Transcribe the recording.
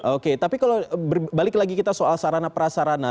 oke tapi kalau balik lagi kita soal sarana prasarana